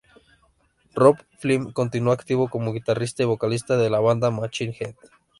Robb Flynn continúa activo como guitarrista y vocalista de la banda Machine Head.